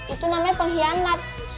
itu namanya pengkhianat